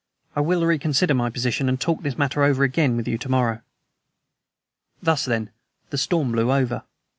I will reconsider my position and talk this matter over again with you to morrow." Thus, then, the storm blew over.